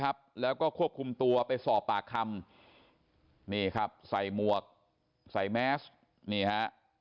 ครับแล้วก็ควบคุมตัวไปสอบปากคำนี่ครับใส่หมวกใส่แมสนี่ฮะ